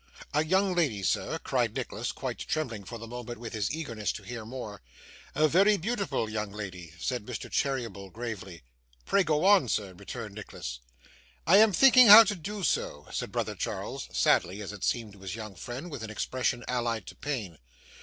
'A young lady, sir!' cried Nicholas, quite trembling for the moment with his eagerness to hear more. 'A very beautiful young lady,' said Mr. Cheeryble, gravely. 'Pray go on, sir,' returned Nicholas. 'I am thinking how to do so,' said brother Charles; sadly, as it seemed to his young friend, and with an expression allied to pain.